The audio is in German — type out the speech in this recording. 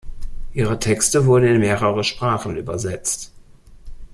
Ihre Texte wurden in mehrere Sprachen übersetzt.